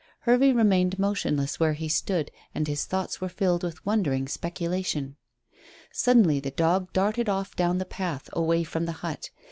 Hervey remained motionless where he stood, and his thoughts were filled with wondering speculation. Suddenly the dog darted off down the path, away from the hut.